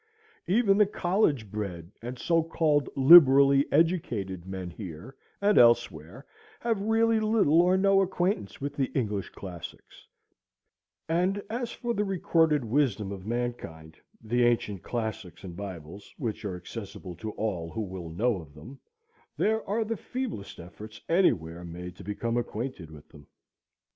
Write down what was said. Even the college bred and so called liberally educated men here and elsewhere have really little or no acquaintance with the English classics; and as for the recorded wisdom of mankind, the ancient classics and Bibles, which are accessible to all who will know of them, there are the feeblest efforts any where made to become acquainted with them.